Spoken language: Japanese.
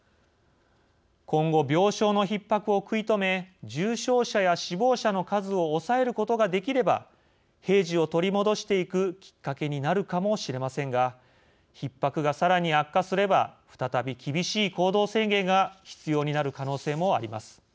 今後、病床のひっ迫を食い止め重症者や死亡者の数を抑えることができれば平時を取り戻していくきっかけになるかもしれませんがひっ迫が、さらに悪化すれば再び厳しい行動制限が必要になる可能性もあります。